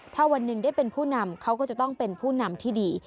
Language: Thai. ถ้าวันหนึ่งได้เป็นผู้นำเขาก็จะต้องเป็นผู้นำที่ดี